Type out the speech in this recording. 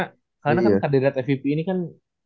karena kan kandidat mvp ini kan